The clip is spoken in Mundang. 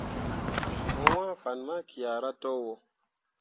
Mo wãã fan ma kiahra towo.